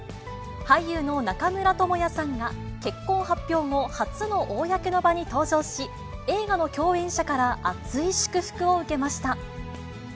俳優の中村倫也さんが結婚発表後、初の公の場に登場し、映画の共演者から熱い祝福を受けました。